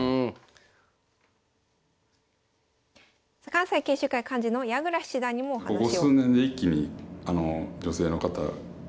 関西研修会幹事の矢倉七段にもお話を。